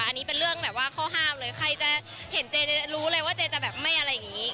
อันนี้เป็นเรื่องแบบว่าข้อห้ามเลยใครจะเห็นเจรู้เลยว่าเจจะแบบไม่อะไรอย่างนี้